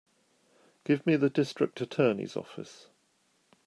Give me the District Attorney's office.